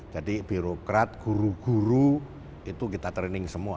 jadi birokrat guru guru itu kita training semua